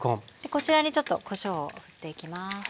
こちらにちょっとこしょうをふっていきます。